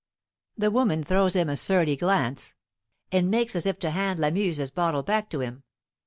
The woman throws him a surly glance, and makes as if to hand Lamuse's bottle back to him.